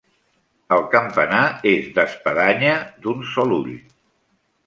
El campanar és d'espadanya d'un sol ull.